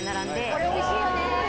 これおいしいよね！